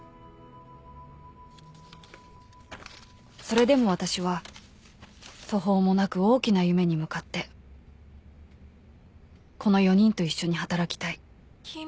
［それでも私は途方もなく大きな夢に向かってこの４人と一緒に働きたい］